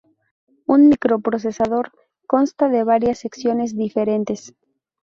Un microprocesador consta de varias secciones diferentes.